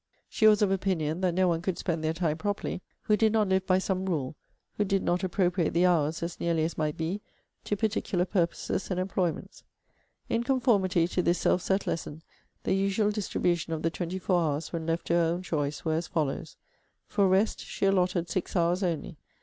She was of opinion, 'that no one could spend their time properly, who did not live by some rule: who did not appropriate the hours, as nearly as might be, to particular purposes and employments.' In conformity to this self set lesson, the usual distribution of the twenty four hours, when left to her own choice, were as follows: For REST she allotted SIX hours only.